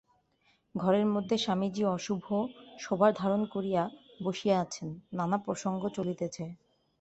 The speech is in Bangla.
ঘরের মধ্যে স্বামীজী অপূর্ব শোভা ধারণ করিয়া বসিয়া আছেন, নানা প্রসঙ্গ চলিতেছে।